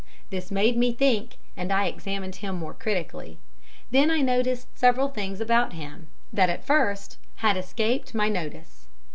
This made me think, and I examined him more critically. Then I noticed several things about him, that, at first, had escaped my notice.